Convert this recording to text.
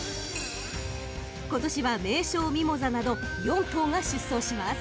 ［今年はメイショウミモザなど４頭が出走します］